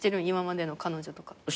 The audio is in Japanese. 今までの彼女とか。